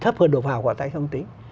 thấp hơn đầu vào của tại công ty